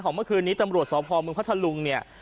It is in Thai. เมื่อคืนนี้ตำรวจสพเมืองพัทธลุงเนี่ย